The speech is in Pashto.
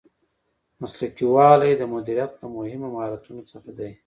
مسلکي والی د مدیریت له مهمو مهارتونو څخه دی.